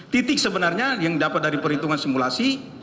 titik sebenarnya yang dapat dari perhitungan simulasi